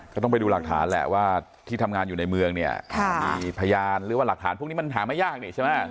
ก็ต้องไปดูหลักฐานแหละว่าที่ทำงานอยู่ในเมืองเนี่ยมีพยานหรือว่าหลักฐานพวกนี้มันหาไม่ยากนี่ใช่ไหม